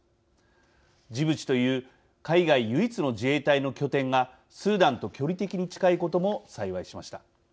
ジブチという海外唯一の自衛隊の拠点がスーダンと距離的に近いことも幸いしました。